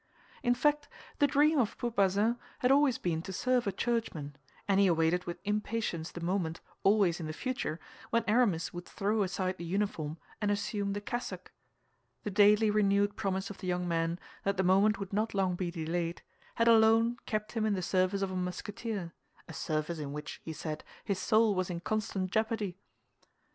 In fact, the dream of poor Bazin had always been to serve a churchman; and he awaited with impatience the moment, always in the future, when Aramis would throw aside the uniform and assume the cassock. The daily renewed promise of the young man that the moment would not long be delayed, had alone kept him in the service of a Musketeer—a service in which, he said, his soul was in constant jeopardy.